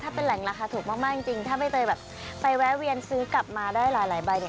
ถ้าเป็นแหล่งราคาถูกมากจริงถ้าใบเตยแบบไปแวะเวียนซื้อกลับมาได้หลายใบเนี่ย